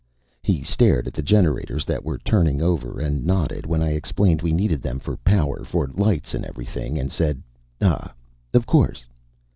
He stared at the generators that were turning over and nodded when I explained we needed them for power for lights and everything and said: "Ah, of course."